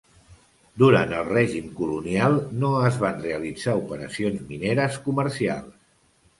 Durant el règim colonial, no es van realitzar operacions mineres comercials.